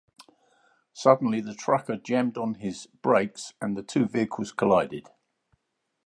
Suddenly the trucker jammed on his brakes, and the two vehicles collided.